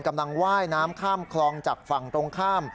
ว่ายน้ำข้ามคลองจากฝั่งตรงข้าม